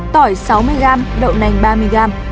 tỏi sáu mươi g đậu nành ba mươi g